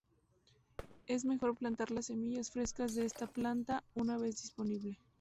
Es mejor plantar las semillas frescas de esta planta una vez disponible.